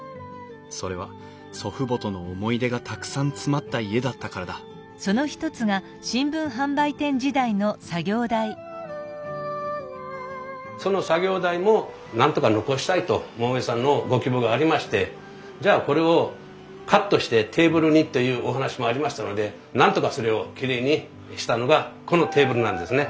それは祖父母との思い出がたくさん詰まった家だったからだその作業台もなんとか残したいと桃井さんのご希望がありましてじゃあこれをカットしてテーブルにというお話もありましたのでなんとかそれをきれいにしたのがこのテーブルなんですね。